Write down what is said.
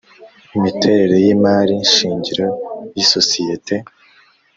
imiterere y’imari shingiro y’isosiyete;